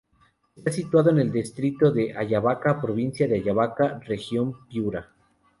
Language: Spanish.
Está situado en el Distrito de Ayabaca, provincia de Ayabaca, Región Piura.